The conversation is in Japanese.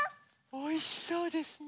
おいしそうですね。